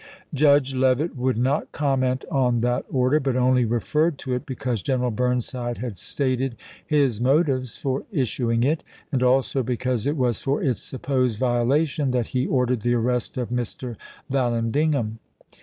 Judge Leavitt would not comment on that order, but only referred to it because General Burnside had stated his motives for issuing it, and also because it was for its supposed violation that he ordered the arrest of Mr. Vallandigham.